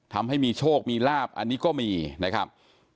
ทำให้มีโชคมีลาบอันนี้ก็มีนะครับ